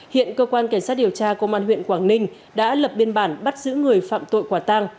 hiện cơ quan cảnh sát điều tra công an huyện quảng ninh đã lập biên bản bắt giữ người phạm tội quả tang